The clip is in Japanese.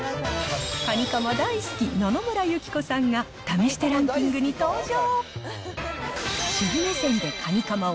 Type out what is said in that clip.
かにかま大好き、野々村友紀子さんが試してランキングに登場。